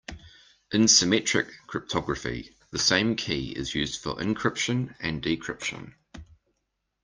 In symmetric cryptography the same key is used for encryption and decryption.